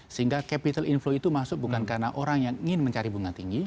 sehingga capital inflow itu masuk bukan karena orang yang ingin mencari bunga tinggi